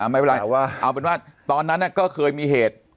ไม่เป็นไรเอาเป็นว่าตอนนั้นก็เคยมีเหตุ